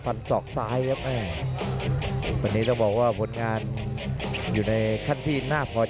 เป็นมวยที่หัวจิตหัวใจในเกินร้อยครับ